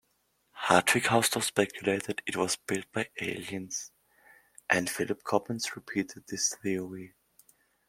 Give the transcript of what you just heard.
Hartwig Hausdorf speculated it was built by aliens, and Philip Coppens repeated this theory.